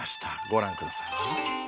ご覧ください。